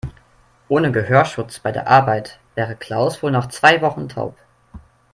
Ohne Gehörschutz bei der Arbeit wäre Klaus wohl nach zwei Wochen taub.